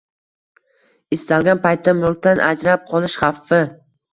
istalgan paytda mulkdan ajrab qolish xavfi